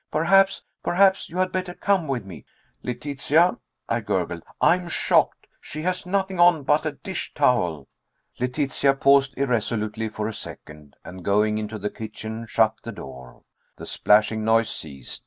Perhaps perhaps you had better come with me." "Letitia," I gurgled, "I'm shocked! She has nothing on but a dish towel." Letitia paused irresolutely for a second, and going into the kitchen shut the door. The splashing noise ceased.